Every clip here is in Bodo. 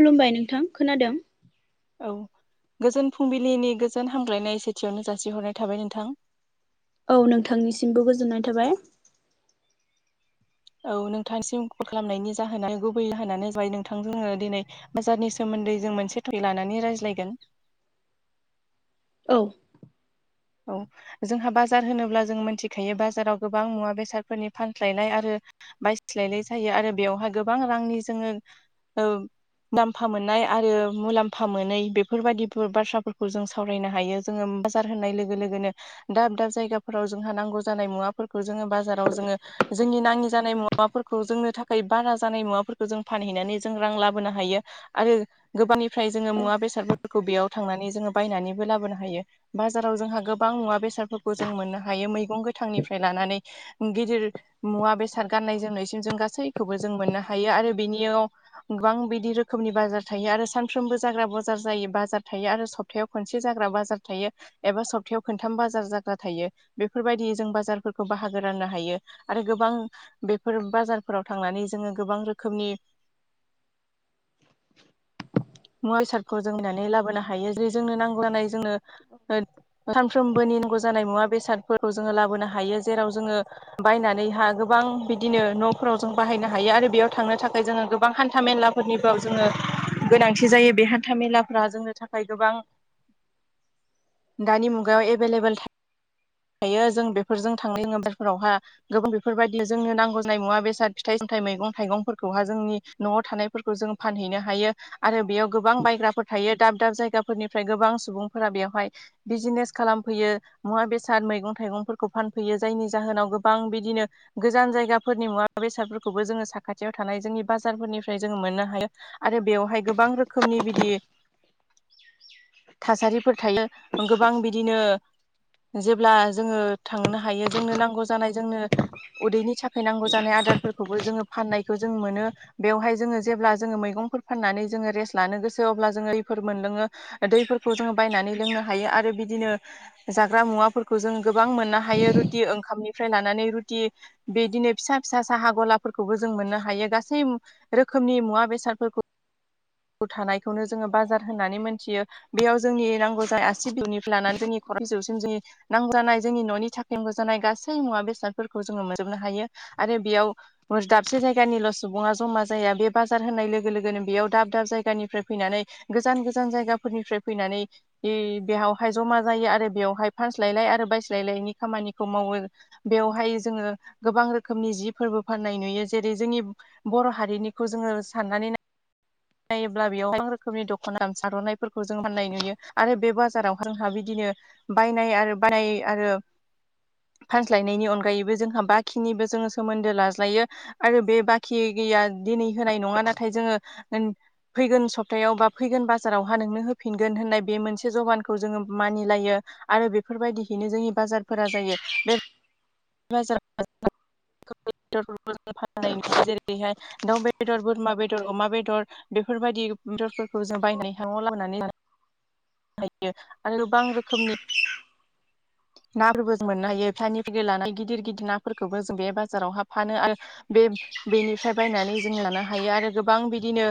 खुलुमबाय नोंथां खोनादों औ गोजोन फुंबिलिनि गोजोन हामग्लायनाय सेथियावनो जासिहरनाय थाबाय नोंथां औ नोंथांनिसिमबो गोजोननाय थाबाय औ नोंथांनिसिम कल खालामनायनि जाहोना गुबै जाहोनानो जाबाय नोंथां जोङो दिनै बाजारनि सोमोनदै जों मोनसे टपिक लानानै रायज्लायगोन औ औ जोंहा बाजार होनोब्ला जों मोनथिखायो बाजाराव गोबां मुवा बेसादफोरनि फानस्लायनाय आरो बायस्लायनाय जायो आरो बेवहाय गोबां रांनि जोङो ओ मुलामफा मोननाय आरो मुलामफा मोनै बेफोरबायदिफोर बाथ्राफोरखौ जों सावरायनो हायो जोङो बाजार होनाय लोगो लोगो लोगोनो दाब दाब जायगाफोराव जोंहा नांगौ जानाय मुवाफोरखौ जोङो बाजाराव जोङो जोंनि नाङि जानाय मुवाफोरखौ जोंनो थाखाय बारा जानाय मुवाफोरखौ जों फानहैनानै जों रां लाबोनो हायो आरो गोबांनिफ्राय जोङो औ मुवा बेसादफोरखौ बेयाव थांनानै जोङो बायनानैबो लाबोनो हायो बाजाराव जोंहा गोबां मुवा बेसादफोरखौ जों मोननो हायो मैगं गोथांनिफ्राय लानानै गिदिर मुवा बेसाद गाननाय जोमनायसिम जों गासैखौबो जों मोननो हायो आरो बिनियाव गोबां बिदि रोखोमनि बाजार थायो आरो सानफ्रोमबो जाग्रा बाजार जायो बाजार थायो आरो सब थायाव खनसे जाग्रा बाजार थायो एबा सबथायाव खोनथाम बाजार जाग्रा थायो बेफोरबायदियै जों बाजारफोरखौ बाहागो राननो हायो आरो गोबां बेफोर बाजारफोराव थांनानै जोङो गोबां रोखोमनि मुवा बेसादखौ जों बायनानै लाबोनो हायो जेरै जोंनो नांगौ जानाय जोंनो सानफ्रोमबो नांगौ जानाय मुवा बेसादफोरखौ जोङो लाबोनो हायो जेराव जोङो बायनानैहा गोबां बिदिनो न'फोराव जों बाहायनो हायो आरो बेयाव थांनो थाखाय जोङो गोबां हानथा मेला फोरनिबाव जोङो गोनांथि जायो बे हानथा मेलाफ्रा जोंनि थाखाय गोबां दानि मुगायाव एभेलेबोल था थायो जों बेफोरजों थांनाय [unintelligible] गोबां बेफोरबायदि जोंनो नांगौ जानाय मुवा-बेसाद फिथाइ-सामथाइ मैगं-थाइगंफोरखौहाय जोंनि न'आव थानायफोरखौ जों फानहैनो हायो आरो बेयाव गोबां बायग्राफोर थायो दाब दाब जायगाफोरनिफ्राय गोबां सुबुंफोरा बेवहाय बिजिनेस खालामफैयो मुवा-बेसाद, मैगं-थाइगंफोरखौ फानफैयो जायनि जाहोनाव गोबां बिदिनो गोजान जायगाफोरनि मुवा बेसादफोरखौबो जोङो साखाथियाव थानाय जोंनि बाजारफोरनिफ्राय जोङो मोननो हायो आरो बेवहाय गोबां रोखोमनि बिदि थासारिफोर थायो गोबां बिदिनो जेब्ला जोङो थांनो हायो जोंनो नांगौ जानाय जोंनो उदैनि थाखाय नांगौ जानाय आदारफोरखौबो जोङो फाननायखौ जों मोनो बेवहाय जोङो जेब्ला जोङो मैगंफोर फाननानै जोङो रेस्ट लानो गोसो अब्ला जोङो दैफोर मोनलोङो दैफोरखौ जोङो बायनानै लोंनो हायो आरो बिदिनो जाग्रा मुवाफोरखौ जों गोबां मोननो हायो रुटि ओंखामनिफ्राय लानानै रुटि बिदिनो फिसा फिसा साहा गलाफोरखौबो जों मोननो हायो गासै रोखोमनि मुवा बेसादफोरखौ थानायखौनो जोङो बाजार होननानै मोनथियो बेयाव जोंनि नांगौ जानाय आसि बिजौनिफ्राय लानानै जोंनि खर' बिजौसिम जोंनि नांगौ जानाय जोंनि न'नि थाखाय नांगौ जानाय गासै मुवा बेसादफोरखौ जोङो मोनजोबनो हायो आरो बेयाव दाबसे जायगानिल' सुबुङा जमा जाया बे बाजार होनाय लोगो लोगो लोगोनो बेयाव दाब दाब जायगानिफ्राय फैनानै गोजान गोजान जायगाफोरनिफ्राय फैनानै इ बेयावहाय जमा जायो आरो बेवहाय फानस्लायलाय आरो बायस्लायलायनि खामानिखौ मावो बेवहाय जोङो गोबां रोखोमनि जि फोरबो फाननाय नुयो जेरै जोंनि बर' हारिनिखौ जोङो साननानै नाय नायोब्ला बेयाव गोबां रोखोमनि दख'ना आर'नायफोरखौ जों फाननाय नुयो आरो बे बाजाराव जोंहा बिदिनो बायनाय आरो बाय आरो फानस्लायनायनि अनगायैबो जोंहा बाखिनिबो जोङो सोमोन्दो लाज्लायो आरो बे बाखि गैया दिनै होनाय नङा नाथाय जोङो ओन फैगोन सप्तायाव बा फैगोन बाजारावहा नोंनो होफिनगोन होननाय बे मोनसे जबानखौ जोङो मानिलायो आरो बेफोरबायदियैनो जोंनि बाजारफोरा जायो बे बाजार [unintelligible] [unintelligible] फाननाय नुयो जेरैहाय दाउ बेदर बोरमा बे बेदर अमा बेदर बेफोरबायदि बेदरफोरखौ जों बायनाय हाङाव लाबानानै [unintelligible] हायो आरो गोबां रोखोमनि नाफोरबो जों मोननो हायो फानिफ्राय लानानै गिदिर गिदिर नाफोरखौबो जों बे बाजाराव हाब फानो आरो बे बेनिफ्राय बायनानै जों लानो हायो आरो गोबां बिदिनो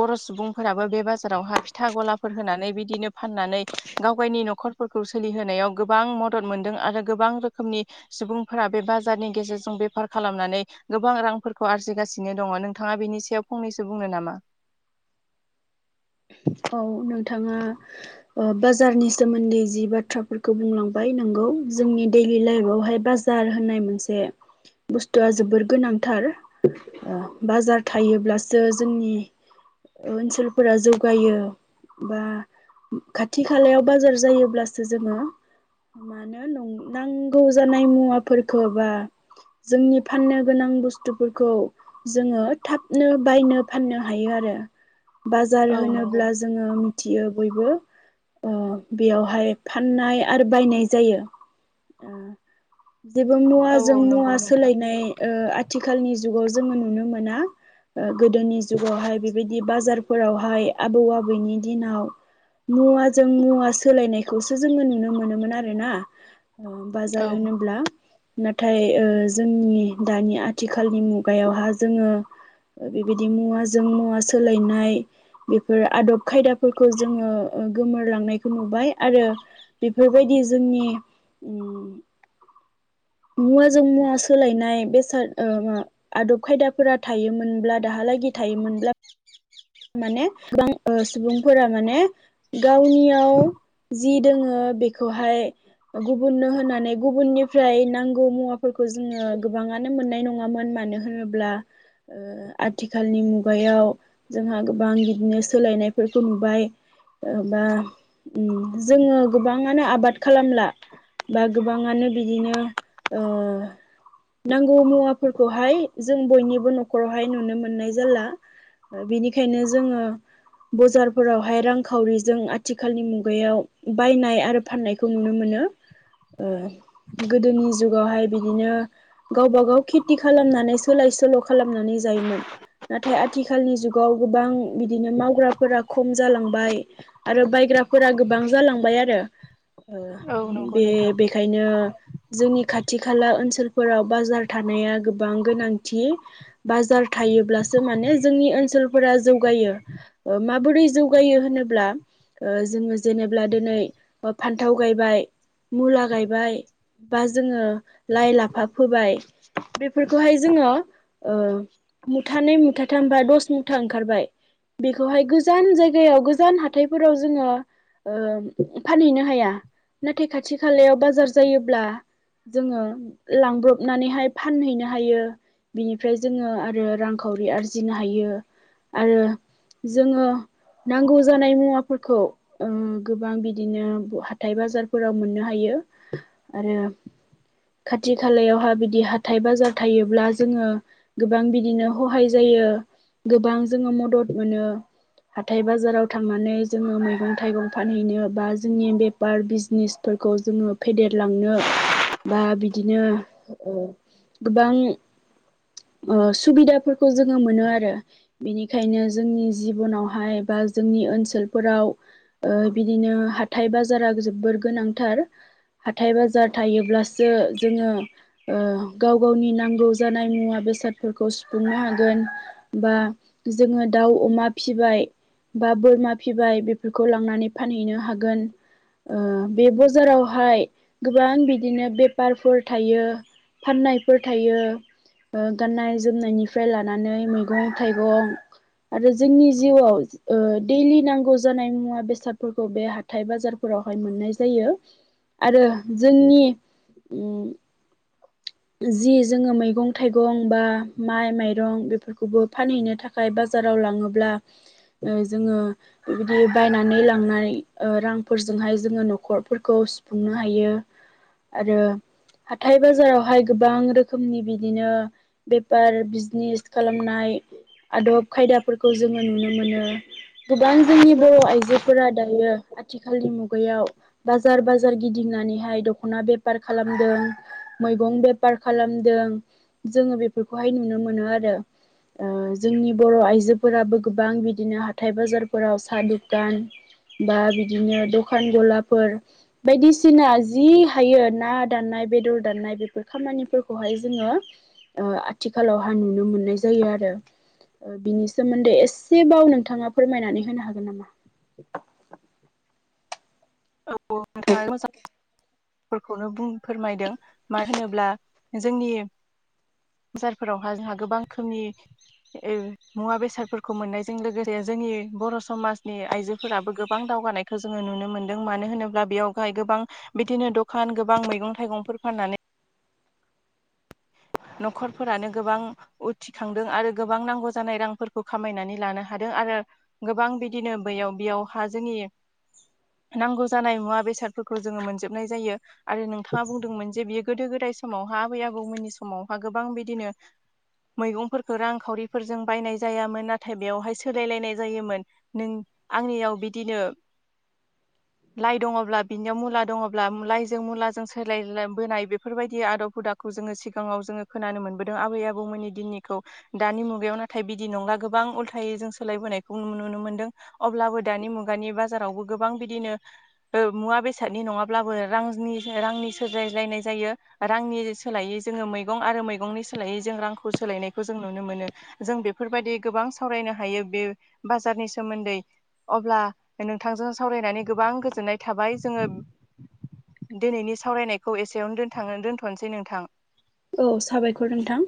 बर' सुबुंफोराबो बे बाजारावहा फिथा ग'लाफोर होनानै बिदिनो फाननानै गावगायनि न'खरफोरखौ सोलिहोनायाव गोबां मदद मोनदों आरो गोबां रोखोमनि सुबुंफोरा बे बाजारनि गेजेरजों बेफार खालामनानै गोबां रांफोरखौ आरजिगासिनो दङ' नोंथाङा बेनि सायाव फंनैसो बुंनो नामा? औ नोंथाङा ओ बाजारनि सोमोन्दै जि बाथ्राफोरखौ बुंलांबाय नोंगौ जोंनि दैलि लाइफ आवहाय बाजा जार होननाय मोनसे बुस्थुआ जोबोर गोनांथार बाजार थायोब्लासो जोंनि ओनसोलफोरा जौ गायो बा खाथि खालायाव बाजार जायोब्लासो जोङो मानो नं नांगौ जानाय मुवाफोरफोरखौ बा जोंनि फाननो गोनां बुस्थुफोरखौ जोङो थाबनो बायनो फाननो हायो आरो बाजार औ होनो नंगौ जोङो मिथियो बयबो अ बेयावहाय फाननाय आरो बायनाय जायो ओ जेबो औ मुवाजों औ मुवा नंगौ नोंथां सोलायनाय आथिखालनि जुगाव जोङो नुनो मोना ओ गोदोनि जुगावहाय बेबायदि बाजारफोरावहाय आबौ आबैनि दिनाव मुवाजों मुवा सोलायनायखौसो जोङो नुनो मोनोमोन आरोना ओ बाजार औ होनोब्ला नाथाय ओ जोंनि दानि आथिखालनि मुगायावहा जोङो बेबायदि मुवाजों मुवा सोलायनाय बेफोर आदब खायदाफोरखौ जोङो गोमोरलांनायखौ नुबाय आरो बेफोरबायदि जोंनि ओम मुवाजों मुवा सोलायनाय बेसाद ओ मा आदब खायदाफोरा थायोमोनब्ला दाहालागि थायोमोनब्ला माने गोबां सुबुंफोरा माने गावनियाव जि दोङो बेखौहाय गुबुननो होनानै गुबुननिफ्राय नांगौ मुवाफोरखौ जोङो गोबाङानो मोननाय नङामोन मानो होनोब्ला ओ आथिखालनि मुगायाव जोंहा गोबां बिदिनो सोलायनायफोरखौ नुबाय ओ बा ओम जोङो गोबाङानो आबाद खालामला बा गोबाङानो बिदिनो ओ नांगौ मुवाफोरखौहाय जों बयनिबो न'खरावहाय नुनो मोननाय जाला ओ बिनिखायनो जोङो बजारफोरावहाय रांखावरिजों आथिखालनि मुगायाव बायनाय आरो फाननायखौ नुनो मोनो ओ गोदोनि जुगावहाय बिदिनो गावबा गाव खेथि खालामनानै सोलाय सोल' खालामनानै जायोमोन नाथाय आथि खालनि जुगाव गोबां बिदिनो मावग्राफोरा खम जालांबाय आरो बायग्राफोरा गोबां जालांबाय आरो ओ औ नंगौ बे नोंथां बे खायनो जोंनि खाथि खाला ओनसोलफोराव बाजार थानाया गोबां गोनांथि बाजार थायोब्लासो माने जोंनि ओनसोलफोरा जौगायो ओ माबोरै जौगायो होनोब्ला ओ जोङो जेनेबब्ला दिनै फानथाव गायबाय मुला गायबाय बा जोङो लाइ लाफा फोबाय बेफोरखौहाय जोङो ओ मुथानै मुथाथामबा दस मुथा ओंखारबाय बेखौहाय गोजान जायगायाव गोजान हाथायफोराव जोङो ओ फानहैनो हाया नाथाय खाथि खालायाव बाजार जायोब्ला जोङो लांब्रबनानैहाय फानहैनो हायो बिनिफ्राय जोङो आरो रांखावरि आरजिनो हायो आरो जोङो नांगौ जानाय मुवाफोरखौ ओ गोबां बिदिनो हाथाय बाजारफोराव मोननो हायो आरो खाथि खालायावहा बिदि हाथाय बाजार थायोब्ला जोङो गोबां बिदिनो हहाय जायो गोबां जोङो मदद मोनो हाथाय बाजाराव थांनानै जोङो मैगं थाइगं फानहैनो बा जोंनि बे फार बिजनेसफोरखौ जोङो फेदेरलांनो बा बिदिनो ओ गोबां ओ सुबिदाफोरखौ जोङो मोनो आरो बेनिखायनो जोंनि जिबनावहाय बा जोंनि ओनसोलफोराव ओ बिदिनो हाथाय बाजारा जोबोर गोनांथार हाथाय बाजार थायोब्लासो जोङो ओ गाव गावनि नांगौ जानाय मुवा बेसादफोरखौ सुफुंनो हा गोन बा जोङो दाउ अमा फिसिबाय बा बोरमा फिबाय बेफोरखौ लांनानै फानहैनो हागोन ओ बे बाजारावहाय गोबां बिदिनो बेफारफोर थायो फाननायफोर थायो ओ गाननाय जोमनायनि फ्राय लानानै मैगं थाइगं आरो जोंनि जिउआव ओ दैलि नांगौ जानाय मुवा बेसादफोरखौ बे हाथाइ बाजारफोरावहाय मोननाय जायो आरो जोंनि उम जि जोङो मैगं थाइगं बा माइ माइरंफोरखौ फानहैनो थाखाय बाजाराव लाङोबा जोङो बिदि बायनानै लांनाय ओ रांफोरजोंहाय जोङो न'खरफोरखौ सुफुंनो हायो आरो हाथाय बाजारावहाय गोबां रोखोमनि बिदिनो बेफार बिज नेस खालामनाय आदब खायदाफोरखौ जोङो नुनो मोनो गोबां जोंनि बर' आइजोफोरा दायो आथिखालनि मुगायाव बाजार बाजार गिदिंनानैहाय दख'ना बेफार खालामदों मैगं बेफार खालामदों जोङो बेफोरखौहाय नुनो मोनो आरो जोंनि बर' आइजोफोराबो गोबां बिदिनो हाथाय बाजारफोराव साहा दुकान बा बिदिनो दखान गलाफोर बायदिसिना जि हायो ना दाननाय बेदर दाननाय बेफोर खामानिफोरखौहाय जोङो ओ आथिखालावहा नुनो मोननाय जायो आरो ओ बिनि सोमोन्दै एसेबाव नोंथाङा फोरमायनानै होनो हागोन नामा औ औ नोंथाङा मोजां [unintelligible] [inaudible] फोरखौनो बुं फोरमायदों मानो होनोब्ला जोंनि बाजारफोरावहा जोंहा गोबां रोखोमनि मुवा बेसादफोरखौ मोननायजों लोगोसे जोंनि बर' समाजनि आइजोफोराबो गोबां दावगानाय जोङो नुनो मोनदों मानो होनोब्ला बेयावहाय गोबां दिनो दखान गोबां मैगं थाइगंफोर फाननानै न'खरफोरानो गोबां उथ्रिखांदों आरो गोबां नांगौ जानाय रांफोरखौ खामायनानै लानो हादों आरो गोबां बिदिनो बैयाव बेयावहा जोंनि नांगौ जानाय मुवा बेसादफोरखौ जोङो मोनजोबनाय जायो आरो नोंथाङा बुंदोंमोन जे बियो गोदो गोदाय समावहा आबै आबौमोननि समावहा गोबां बिदिनो मैगंफोरखौ रांखावरिफोरजों बायनाय जायामोन नाथाय बेवहाय सोलायलायनाय जायोमोन नों आंनियाव बिदिनो [inaudible] लाइ दङब्ला बिनियाव मुला दङब्ला लाइजों मुलाजों सोलायबोनाय बेफोरबायदि आदब हुदाखौ जोङो सि सिगाङाव जोङो खोनानो मोनबोदों आबै आबौमोननि दिननिखौ दानि मुगायाव नाथाय बिदि नंला गोबां उल्थायै जों सोलायबोनायखौ नुनो मोनदों अब्लाबो दानि मुगानि बाजारावबो गोबां बिदिनो मुवा बेसादनि नङाब्लाबो रांनि रांनि सोरज्लायलायनाय जायो रांनि सोलायै जोङो मैगं आरो मैगंनि सोलायै जों रांखौ सोलायनायखौ जों नुनो मोनो जों बेफोरबायदि गोबां सावरायनो हायो बे बाजारनि सोमोन्दै अब्ला नोंथांजों सावरायनानै गोबां गोजोननाय थाबाय जोङो दिनैनि सावरायनायखौ एसेयावनो दोनथा दोनथ'नोसै नोंथां औ साबायखर नोंथां